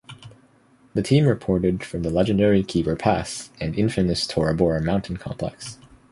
The team reported from the legendary Khyber Pass and infamous Tora Bora mountain complex.